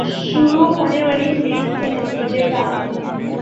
شروع ہونے والی سیریز کے نتیجے کا